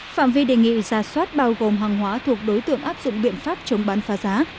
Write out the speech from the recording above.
phạm vi đề nghị giả soát bao gồm hàng hóa thuộc đối tượng áp dụng biện pháp chống bán phá giá